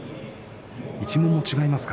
一門も違います。